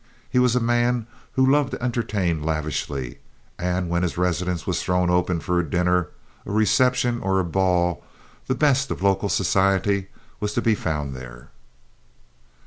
He was a man who loved to entertain lavishly; and when his residence was thrown open for a dinner, a reception, or a ball, the best of local society was to be found there.